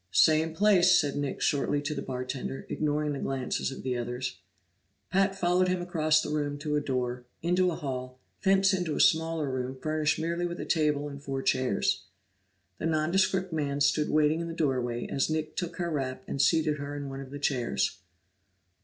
"Same place," said Nick shortly to the bartender, ignoring the glances of the others. Pat followed him across the room to a door, into a hall, thence into a smaller room furnished merely with a table and four chairs. The nondescript man stood waiting in the doorway as Nick took her wrap and seated her in one of the chairs.